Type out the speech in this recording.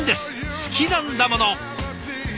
好きなんだもの！